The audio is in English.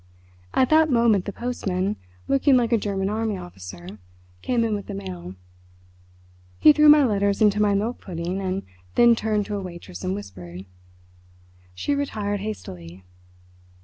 At that moment the postman, looking like a German army officer, came in with the mail. He threw my letters into my milk pudding, and then turned to a waitress and whispered. She retired hastily.